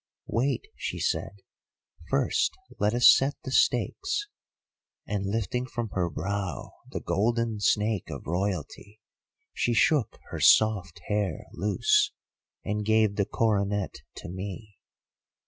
"'Wait,' she said, 'first let us set the stakes,' and lifting from her brow the golden snake of royalty, she shook her soft hair loose, and gave the coronet to me.